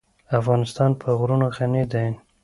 افغانستان په غرونه غني دی.